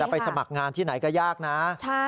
ไปสมัครงานที่ไหนก็ยากนะ